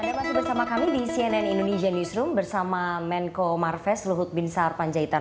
anda masih bersama kami di cnn indonesia newsroom bersama menko marves luhut bin sarpanjaitan